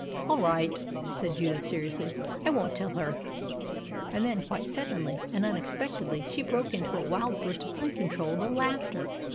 "All right," said Judith seriously, "I won't tell her," and then, quite suddenly and unexpectedly, she broke into a wild burst of uncontrollable laughter.